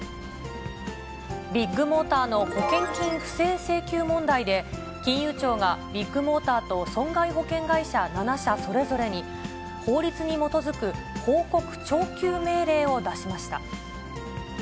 ビッグモーターの保険金不正請求問題で、金融庁がビッグモーターと損害保険会社７社それぞれに法律に基づく報告徴求命令を出しました。